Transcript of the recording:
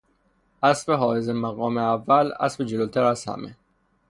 اسب حائز مقام اول، اسب جلوتر از همه